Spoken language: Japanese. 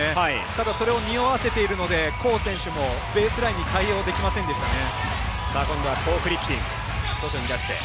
ただ、それをにおわせているのでコー選手もベースラインに対応できませんでしたね。